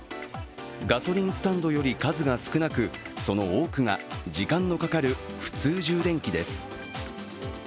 ガソリンスタンドより数が少なく、その多くが時間のかかる普通充電器です。